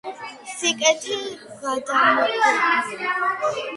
სიკეთე გადამდებია